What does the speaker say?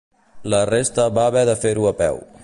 La resta va haver de fer-ho a peu.